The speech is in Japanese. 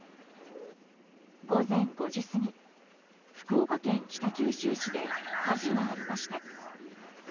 午前５時過ぎ、福岡県北九州市で火事がありました。